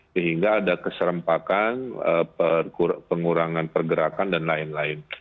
sehingga ada keserempakan pengurangan pergerakan dan lain lain